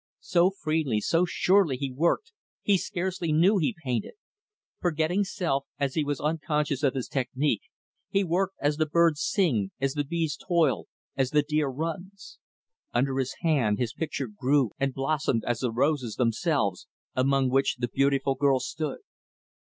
So freely, so surely, he worked, he scarcely knew he painted. Forgetting self, as he was unconscious of his technic, he worked as the birds sing, as the bees toil, as the deer runs. Under his hand, his picture grew and blossomed as the roses, themselves, among which the beautiful girl stood.